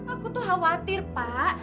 aku tuh khawatir pak